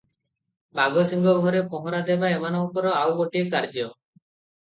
ବାଘସିଂହ ଘରେ ପହରାଦେବା ଏମାନଙ୍କର ଆଉଗୋଟିଏ କାର୍ଯ୍ୟ ।